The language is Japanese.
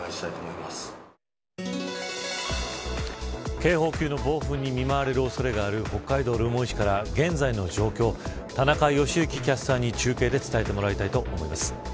警報級の暴風に見舞われる恐れがある北海道留萌市から現在の状況を田中良幸キャスターに中継で伝えてもらいたいと思います。